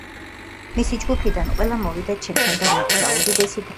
მისი ჯგუფიდან ყველა მოვიდა ჩემთან და მითხრა: უდიდესი დრამერი ხარ.